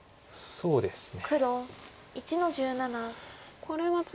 そうですね。